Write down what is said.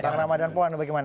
pak ramadhan pohan bagaimana